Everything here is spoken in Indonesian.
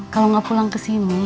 kalau gak pulang kesini